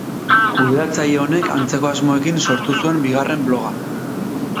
Kudeatzaile honek antzeko asmoekin sortu zuen bigarren bloga.